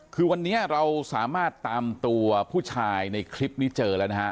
คือวันนี้เราสามารถตามตัวผู้ชายในคลิปนี้เจอแล้วนะฮะ